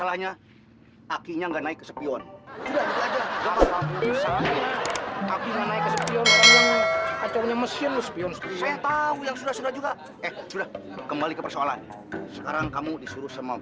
residual sepiang's nah saya tahu yang susah juga eh kembali ke perseolah sekarang kamu disuruh sama